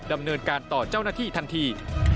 ดำเนินการต่อเจ้าหน้าที่ทันที